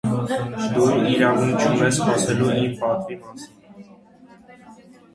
- Դու իրավունք չունես խոսելու իմ պատվի մասին: